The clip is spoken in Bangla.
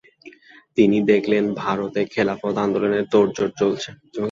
তিনি দেখলেন ভারতে খিলাফত আন্দোলনের তােড়জোর চলছে।